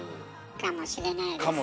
かもしれないですねえ。